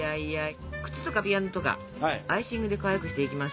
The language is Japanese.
くつとかピアノとかアイシングでかわいくしていきます。